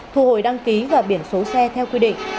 thu hồi đăng ký và biển số xe theo quy định